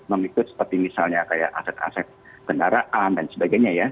mengikut seperti misalnya kayak aset aset kendaraan dan sebagainya ya